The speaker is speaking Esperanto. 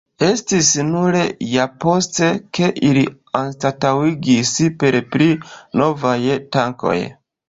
Estis nur ja poste, ke ili anstataŭigis per pli novaj tankoj.